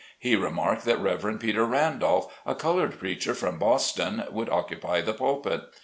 He remarked that Rev. Peter Randolph, a colored preacher from Boston, would occupy the pulpit.